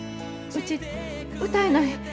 うち歌えない。